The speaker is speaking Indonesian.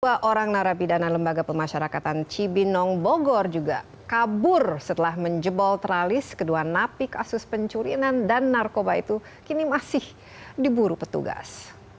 dua orang narapidana lembaga pemasyarakatan cibinong bogor juga kabur setelah menjebol tralis kedua napi kasus pencurian dan narkoba itu kini masih diburu petugas